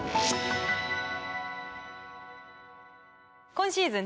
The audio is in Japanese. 今シーズン